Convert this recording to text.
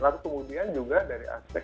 lalu kemudian juga dari aspek